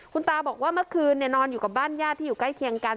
คุณตาบอกว่าเมื่อคืนนอนอยู่กับบ้านญาติที่อยู่ใกล้เคียงกัน